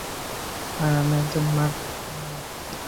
আর আমি একজন মার্ক, না?